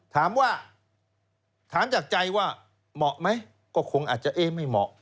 ถามว่าถามจากใจว่าเหมาะไหมก็คงอาจจะเอ๊ะไม่เหมาะ